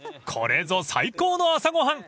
［これぞ最高の朝ご飯］